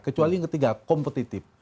kecuali yang ketiga kompetitif